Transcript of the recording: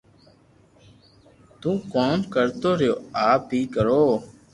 تو ڪوم ڪرتو رھيو آپ اي ڪرو